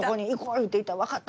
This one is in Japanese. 言うて行ったら「わかった行く！」